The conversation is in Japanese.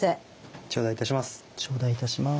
頂戴いたします。